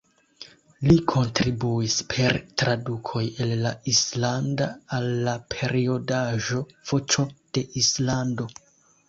Li kontribuis per tradukoj el la islanda al la periodaĵo "Voĉo de Islando".